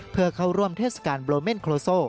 เพื่อเข้าร่วมเทศกาลบลโมเมนท์โคโลโซ